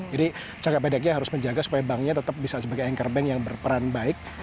jadi jangka pendeknya harus menjaga supaya banknya tetap bisa sebagai anchor bank yang berperan baik